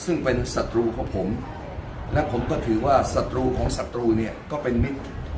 ซึ่งเป็นศัตรูของผมและผมก็ถือว่าศัตรูของศัตรูเนี่ยก็เป็นมิตร